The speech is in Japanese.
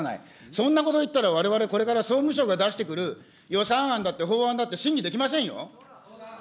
そんなこと言ったらわれわれ、これから総務省が出してくる予算案だって法案だって審議できませんよ。